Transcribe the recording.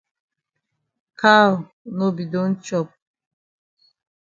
Cow no be don chop.